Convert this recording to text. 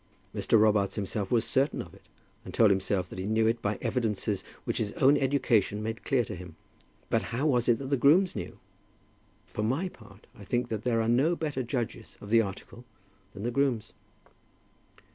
Mr. Robarts himself was certain of it, and told himself that he knew it by evidences which his own education made clear to him. But how was it that the grooms knew it? For my part I think that there are no better judges of the article than the grooms.